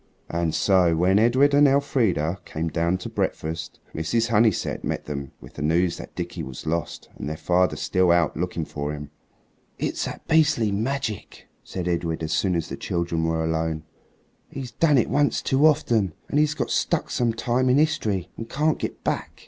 And so, when Edred and Elfrida came down to breakfast, Mrs. Honeysett met them with the news that Dickie was lost and their father still out looking for him. "It's that beastly magic," said Edred as soon as the children were alone. "He's done it once too often, and he's got stuck some time in history and can't get back."